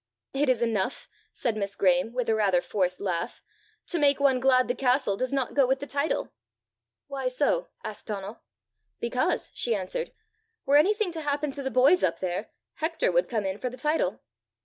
"It is enough," said Miss Graeme, with a rather forced laugh, "to make one glad the castle does not go with the title." "Why so?" asked Donal. "Because," she answered, "were anything to happen to the boys up there, Hector would come in for the title."